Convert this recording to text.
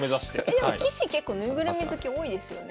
棋士結構ぬいぐるみ好き多いですよね。